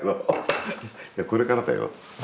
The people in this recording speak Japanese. いやこれからだよ。